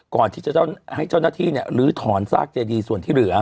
ก่อนที่จะให้เจ้าหน้าที่ลื้อถอนซากเจดีส่วนที่เหลือ